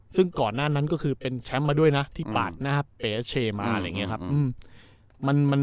ซึ่งก่อนหน้านั้นก็คือเป็นแชมป์มาด้วยนะที่ปาดหน้าเป๋เชมาอะไรอย่างนี้ครับ